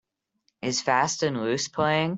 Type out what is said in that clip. Is Fast and Loose playing